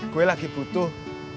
gue lagi butuh